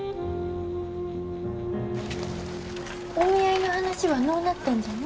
お見合いの話はのうなったんじゃね？